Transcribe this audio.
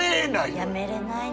やめれないの。